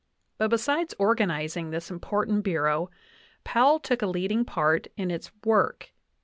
But besides organizing this important Bureau, Powell took a leading part in its work.